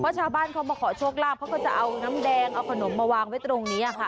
เพราะชาวบ้านเขามาขอโชคลาภเขาก็จะเอาน้ำแดงเอาขนมมาวางไว้ตรงนี้ค่ะ